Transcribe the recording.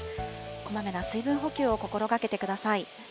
こまめな水分補給を心がけてください。